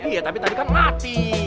iya tapi tadi kan mati